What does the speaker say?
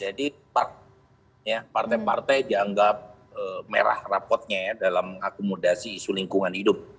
jadi partai partai dianggap merah rapotnya ya dalam akomodasi isu lingkungan hidup